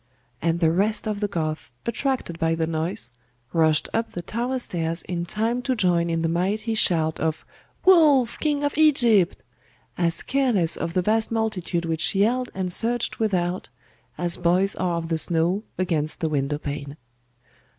And the rest of the Goths, attracted by the noise, rushed up the tower stairs in time to join in the mighty shout of 'Wulf, king of Egypt!' as careless of the vast multitude which yelled and surged without, as boys are of the snow against the window pane.